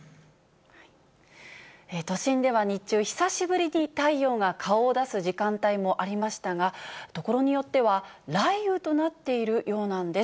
都心では日中、久しぶりに太陽が顔を出す時間帯もありましたが、所によっては、雷雨となっているようなんです。